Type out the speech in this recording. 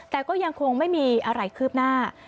แต่ก็ยังคงไม่มีอะไรคืบหน้า